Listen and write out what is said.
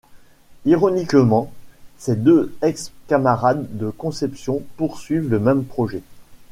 Ironiquement, ses deux ex-camarades de conception poursuivent le même projet.